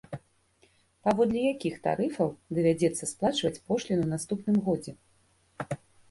Паводле якіх тарыфаў давядзецца сплачваць пошліну ў наступным годзе?